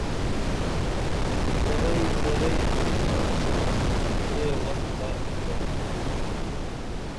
زرئی زرئی کُرے خاکسار لے وختہ تپچھن تُھوئی